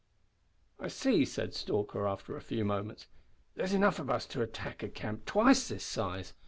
"I see," said Stalker, after a few moments. "There's enough of us to attack a camp twice the size.